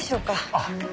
あっ。